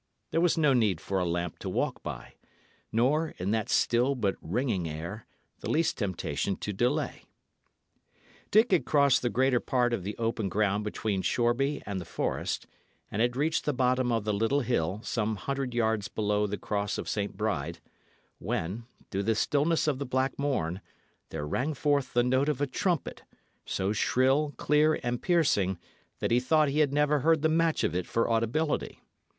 There was no need for a lamp to walk by; nor, in that still but ringing air, the least temptation to delay. Dick had crossed the greater part of the open ground between Shoreby and the forest, and had reached the bottom of the little hill, some hundred yards below the Cross of St. Bride, when, through the stillness of the black morn, there rang forth the note of a trumpet, so shrill, clear, and piercing, that he thought he had never heard the match of it for audibility.